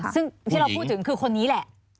ซึ่งที่เราพูดถึงคือคนนี้แหละ